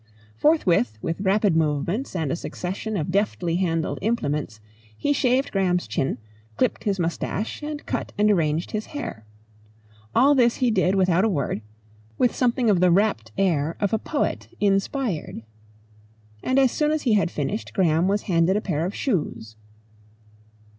Forthwith with rapid movements and a succession of deftly handled implements he shaved Graham's chin, clipped his moustache, and cut and arranged his hair. All this he did without a word, with something of the rapt air of a poet inspired. And as soon as he had finished Graham was handed a pair of shoes.